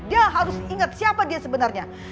dia harus ingat siapa dia sebenarnya